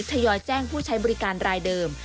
ทยอยแจ้งผู้ใช้บริการรายเดิม